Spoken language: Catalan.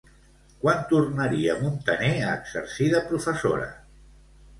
Quan tornaria Montaner a exercir de professora?